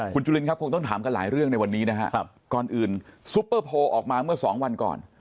คุณจุลินครับคงต้องถามกันหลายเรื่องในวันนี้นะครับก่อนอื่นซุปเปอร์โพลออกมาเมื่อสองวันก่อน